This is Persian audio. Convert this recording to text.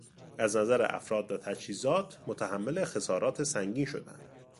از نظر افراد و تجهیزات متحمل خسارات سنگین شدند.